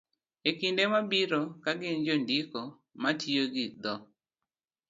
e kinde mabiro ka gin jondiko ma tiyo gi dho